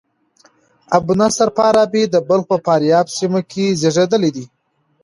ابو نصر فارابي د بلخ په فاریاب سیمه کښي زېږېدلى دئ.